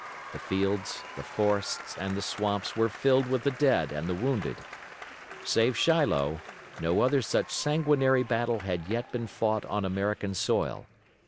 The fields, the forests and the swamps were filled with the dead and the wounded. Save Shiloh, no other such sanguinary battle had yet been fought on American soil.